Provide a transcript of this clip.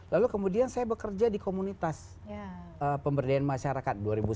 lalu kemudian saya bekerja di komunitas pemberdayaan masyarakat